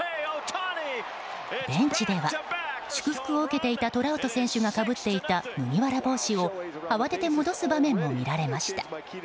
ベンチでは、祝福を受けていたトラウト選手がかぶっていた麦わら帽子を慌てて戻す場面も見られました。